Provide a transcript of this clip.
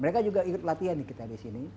mereka juga ikut latihan nih kita di sini